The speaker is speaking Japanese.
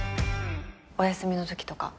お休みのときとか。